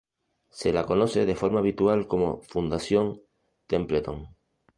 Se la conoce de forma habitual como "Fundación Templeton".